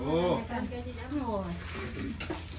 ไม่ต้องไปเลย